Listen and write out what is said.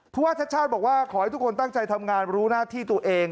ว่าชัดชาติบอกว่าขอให้ทุกคนตั้งใจทำงานรู้หน้าที่ตัวเอง